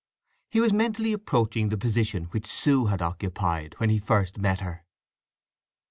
He was mentally approaching the position which Sue had occupied when he first met her.